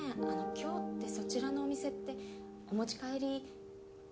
あの今日ってそちらのお店ってお持ち帰り。